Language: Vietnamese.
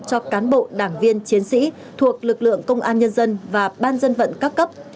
cho cán bộ đảng viên chiến sĩ thuộc lực lượng công an nhân dân và ban dân vận các cấp